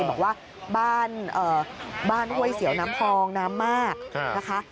บอกว่าบ้านห้วยเสียวน้ำพองน้ำมากนะคะ